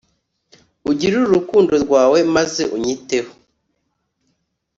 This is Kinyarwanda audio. ugirire urukundo rwawe maze unyiteho